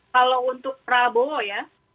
kalau untuk prabowo ya